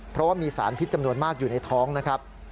เพราะว่ามีสารพิษจำนวนมากอยู่ในท้องนะครับ